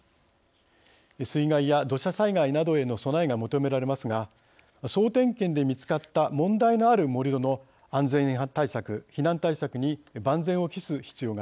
水害や土砂災害などへの備えが求められますが総点検で見つかった問題のある盛り土の安全対策避難対策に万全を期す必要があります。